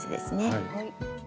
はい。